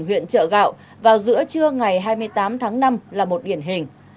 huyện chợ gạo vào giữa trưa ngày hai mươi tám tháng năm là một điển hình